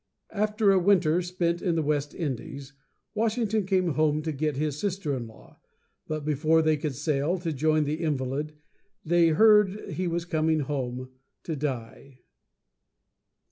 After a winter spent in the West Indies, Washington came home to get his sister in law; but before they could sail to join the invalid, they heard he was coming home to die.